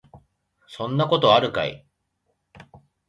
そんなことあるかい